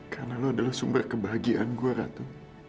karena lo adalah sumber kebahagiaan gue ratu